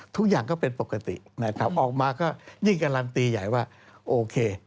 ทุกอย่างก็เป็นปกตินะครับออกมาก็ยิ่งการันตีใหญ่ว่าโอเค